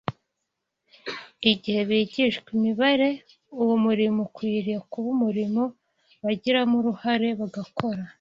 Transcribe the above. Igihe bigishwa imibare, uwo murimo ukwiriye kuba umurimo bagiramo uruhare bagakora